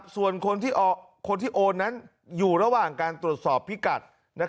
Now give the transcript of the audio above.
ส่วนคนที่โอนนั้นอยู่ระหว่างการตรวจสอบพิกัด